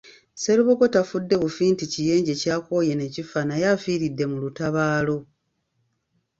Sserubogo tafudde bufi nti kiyenje kyakooye ne kifa naye afiiridde wakati mu lutabaalo.